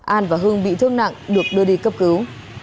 an và hương bị thương nặng được đưa đi cấp cứu